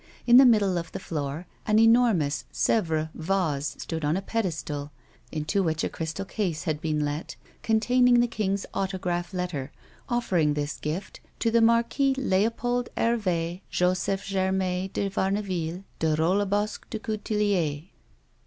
In the middle of the floor an enormous Sevres vase stood on a pedestal, into which a crystal case had been let containing the king's autograph letter, offering this gift to the Marquis Leopold Herve Joseph Germer de Varneville, de Rollebosc de Coutelier.